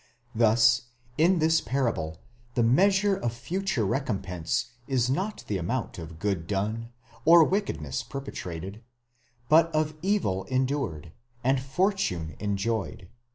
Thus, in this parable the measure of future recompense is not the amount of good done, or wickedness perpetrated, but of evil endured, and fortune enjoyed